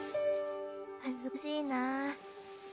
恥ずかしいな。